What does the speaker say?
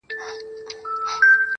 قرنطین دی لګېدلی د سرکار امر چلیږي!.